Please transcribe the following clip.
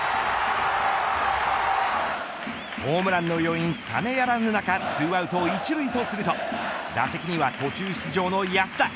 ホームランの余韻冷めやらぬ中２アウト１塁とすると打席には途中出場の安田。